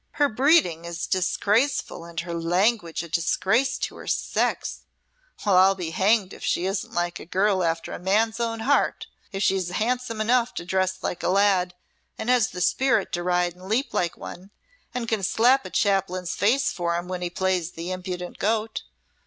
"'Her breeding is disgraceful and her langwidge a disgrace to her secks' Well, I'll be hanged if she isn't a girl after a man's own heart, if she's handsome enough to dress like a lad, and has the spirit to ride and leap like one and can slap a Chaplain's face for him when he plays the impudent goat.